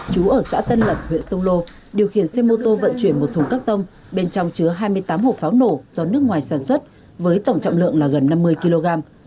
chú ở xã tân lập huyện sông lô điều khiển xe mô tô vận chuyển một thùng các tông bên trong chứa hai mươi tám hộp pháo nổ do nước ngoài sản xuất với tổng trọng lượng là gần năm mươi kg